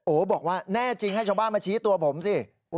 บอกว่าแน่จริงให้ชาวบ้านมาชี้ตัวผมสิ